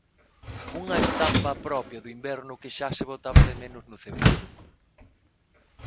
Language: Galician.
Unha estampa propia do inverno que xa se botaba de menos no Cebreiro.